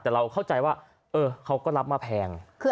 แต่เราเข้าใจว่าเขาก็รับมาแพง